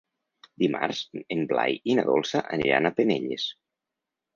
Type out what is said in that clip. Dimarts en Blai i na Dolça aniran a Penelles.